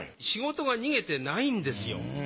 仕事が逃げてないんですよ。